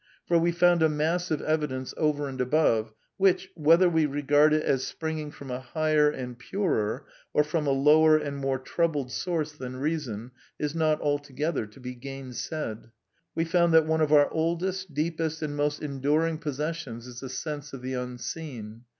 For we found a mass of evidence over and above; which, whether we r^ard it as springing from a higher and purer, or from a lower and more troubled source than reason, is not altogether to be gainsaid. We found that one of our oldest, deepest, and most enduring possessions is the sense of the Unseen.